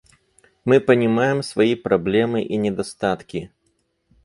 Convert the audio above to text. Мы понимаем свои проблемы и недостатки.